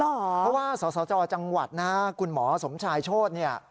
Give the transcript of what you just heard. เพราะว่าสสจจังหวัดนะฮะคุณหมอสมชายโชธเนี่ย